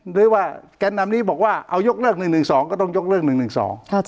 หรือว่าการนำนี้บอกว่าเอายกเลิก๑๑๒ก็ต้องยกเลิก๑๑๒